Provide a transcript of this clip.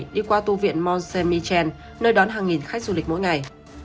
đi qua tu viện mont saint michel nơi đón hàng nghìn khách du lịch mỗi ngày